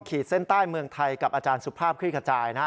เส้นใต้เมืองไทยกับอาจารย์สุภาพคลิกขจายนะฮะ